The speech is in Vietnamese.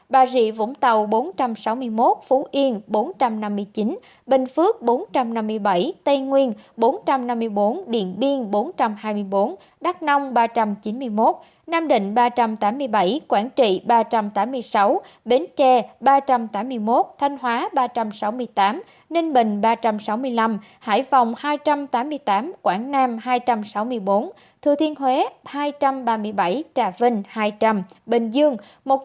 bà rị vũng tàu bốn trăm sáu mươi một phú yên bốn trăm năm mươi chín bình phước bốn trăm năm mươi bảy tây nguyên bốn trăm năm mươi bốn điện biên bốn trăm hai mươi bốn đắc nông ba trăm chín mươi một nam định ba trăm tám mươi bảy quảng trị ba trăm tám mươi sáu bến tre ba trăm tám mươi một thanh hóa ba trăm sáu mươi tám ninh bình ba trăm sáu mươi năm hải phòng hai trăm tám mươi tám quảng nam hai trăm sáu mươi bốn thừa thiên huế hai trăm ba mươi bảy trà vinh hai trăm linh bình dương một trăm bảy mươi chín